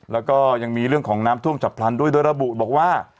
แล้วก็ยังมีเรื่องของน้ำท่วมฉับพลันด้วยโดยระบุบอกว่า